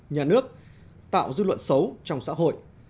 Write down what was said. nhà nước tạo dư luận xấu trong xã hội